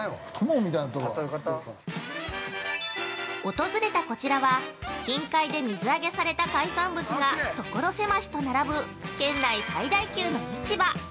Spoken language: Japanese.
◆訪れたこちらは近海で水揚げされた海産物が所狭しと並ぶ県内最大級の市場。